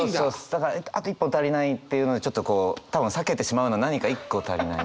だからあと一本足りないっていうのでちょっとこう多分避けてしまうのは何か一個足りない。